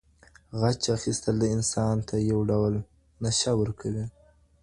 غچ اخیستل انسان ته یو ډول نشه ورکوي.